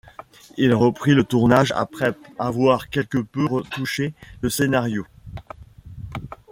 Il reprit le tournage après avoir quelque peu retouché le scénario.